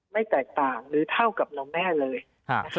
ไม่แตกต่างหรือเท่ากับเราแม่เลย